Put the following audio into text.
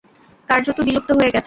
কার্যত বিলুপ্ত হয়ে গেছে।